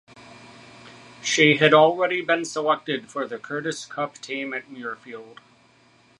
She had already been selected for the Curtis Cup team at Muirfield.